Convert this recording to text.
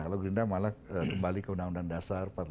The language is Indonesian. kalau gerindra malah kembali ke undang undang dasar empat puluh lima